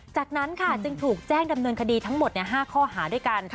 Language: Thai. จากนั้นค่ะจึงถูกแจ้งดำเนินคดีทั้งหมด๕ข้อหาด้วยกัน